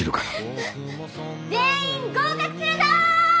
全員合格するぞ！